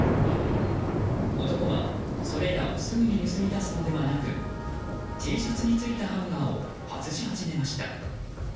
男はそれらをすぐに盗み出すのではなくＴシャツについたハンガーを外し始めました。